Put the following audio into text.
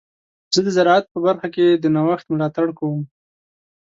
زه د زراعت په برخه کې د نوښت ملاتړ کوم.